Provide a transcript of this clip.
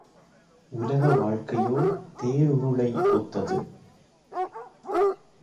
உலக வாழ்க்கையோ தேருருளை ஒத்தது.